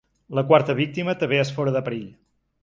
La quarta víctima també és fora de perill.